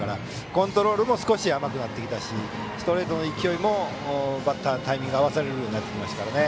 コントロールも少し甘くなってきたしストレートの勢いもバッター、タイミングを合わせられるようになってきました。